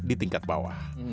di tingkat bawah